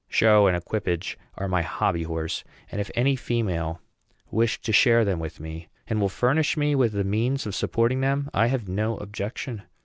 Show and equipage are my hobby horse; and if any female wishes to share them with me, and will furnish me with the means of supporting them, I have no objection.